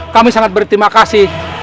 kami sangat berterima kasih